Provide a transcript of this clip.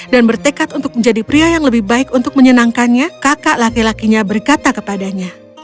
dan bertekad untuk menjadi pria yang lebih baik untuk menyenangkannya kakak laki lakinya berkata kepadanya